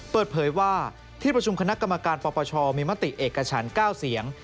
เปิดเผยว่าที่ประชุมคณะกรรมการปปชมีมติเอกฉัน๙เสียง